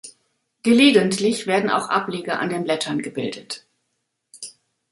Gelegentlich werden auch Ableger an den Blättern gebildet.